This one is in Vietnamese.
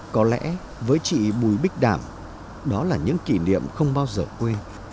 có lẽ với chị bùi bích đảm đó là những kỷ niệm không bao giờ quê